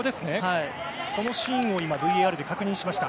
このシーンをＶＡＲで確認しました。